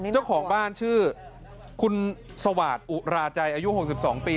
เจ้าของบ้านชื่อคุณสวาสตร์อุราใจอายุ๖๒ปี